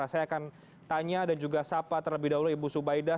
saya akan tanya dan juga sapa terlebih dahulu ibu subaidah